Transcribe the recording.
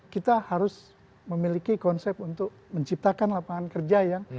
kita harus memiliki konsep untuk menciptakan lapangan kerja yang